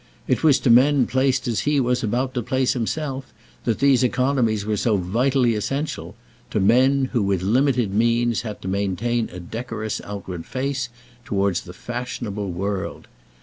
It was to men placed as he was about to place himself that these economies were so vitally essential to men who with limited means had to maintain a decorous outward face towards the fashionable world.